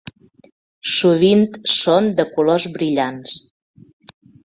Sovint són de colors brillants.